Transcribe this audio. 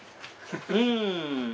うん。